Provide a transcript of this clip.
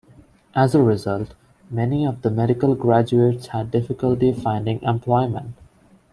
As a result, many of the medical graduates had difficulty finding employment.